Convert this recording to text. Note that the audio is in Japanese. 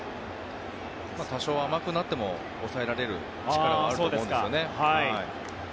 多少、甘くなっても抑えられる力はあると思うんですよね。